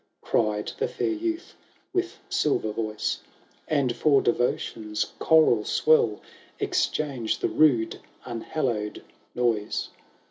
Cried the fair youth with silver voice ;" And for Devotion's choral swell, Exchange the rude unhallowed noise.